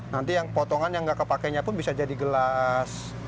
nanti yang potongan yang nggak kepakenya pun bisa jadi gelas